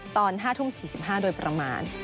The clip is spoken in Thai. ตอน๕ทุ่ม๔๕โดยประมาณ